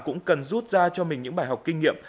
cũng cần rút ra cho mình những bài học kinh nghiệm